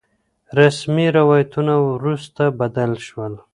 رسمي روايتونه وروسته بدل شول.